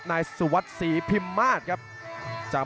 หลังจากเจาะล่างเล่นงานพับนอกพับในก่อนครับเพชรดำ